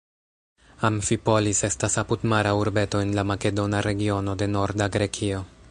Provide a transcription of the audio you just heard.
Amfipolis estas apudmara urbeto en la makedona regiono de norda Grekio.